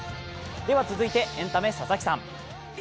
では続いてエンタメ、佐々木さん。